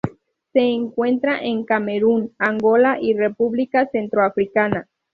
Se encuentra en Camerún, Angola y República Centroafricana.